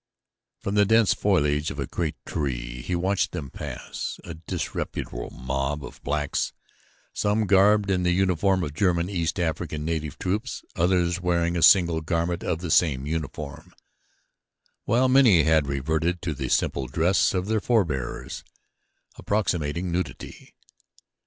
From the dense foliage of a great tree he watched them pass a disreputable mob of blacks, some garbed in the uniform of German East African native troops, others wearing a single garment of the same uniform, while many had reverted to the simple dress of their forbears approximating nudity.